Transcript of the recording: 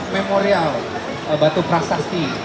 memorial batu prasasti